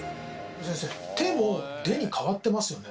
先生「て」も「で」に変わってますよね。